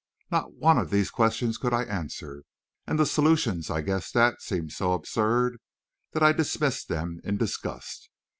Not one of these questions could I answer; and the solutions I guessed at seemed so absurd that I dismissed them in disgust.